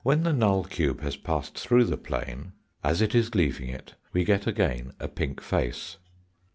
the null cube has passed through the plane, as it is leaving it, we get again a pink face.